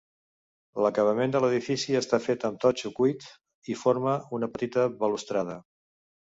L'acabament de l'edifici està fet amb totxo cuit i forma una petita balustrada.